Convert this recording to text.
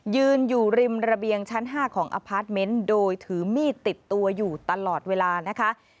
ยืนอยู่ริมระเบียงชั้น๕ของอพาร์ทเมนต์โดยถือมีดติดตัวอยู่ตลอดเวลานะคะ